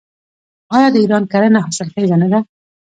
آیا د ایران کرنه حاصلخیزه نه ده؟